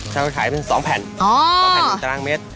ใช้เป็น๒แผ่น